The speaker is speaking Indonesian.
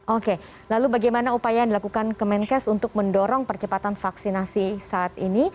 oke lalu bagaimana upaya yang dilakukan kemenkes untuk mendorong percepatan vaksinasi saat ini